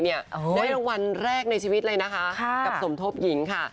ได้รางวัลแรกในชีวิตเลยนะคะกับสมทบหญิงค่ะ